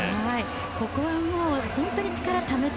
ここは本当に力をためて